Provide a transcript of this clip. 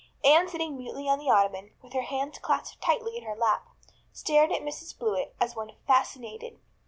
Anne sitting mutely on the ottoman, with her hands clasped tightly in her lap, stared at Mrs Blewett as one fascinated.